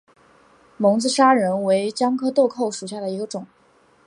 蒙自砂仁为姜科豆蔻属下的一个种。